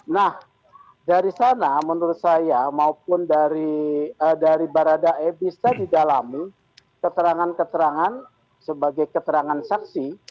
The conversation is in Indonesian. nah dari sana menurut saya maupun dari baradae bisa didalami keterangan keterangan sebagai keterangan saksi